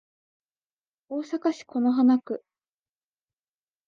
大阪市此花区